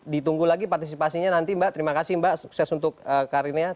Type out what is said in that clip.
ditunggu lagi partisipasinya nanti mbak terima kasih mbak sukses untuk karirnya